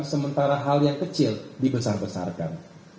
sementara hal yang kecil dibesar besarkan